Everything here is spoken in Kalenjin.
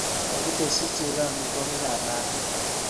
Kakitesyi chego amitwogikap lakwet